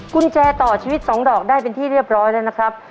กุญแจต่อชีวิต๒ดอกได้เป็นที่เรียบร้อยแล้วนะครับ